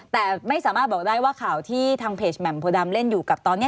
แต่ไม่สามารถบอกได้ว่าข่าวที่ทางเพจแหม่มโพดำเล่นอยู่กับตอนนี้